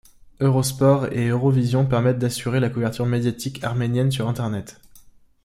Eurosport et Eurovision permettent d'assurer la couverture médiatique arménienne sur Internet.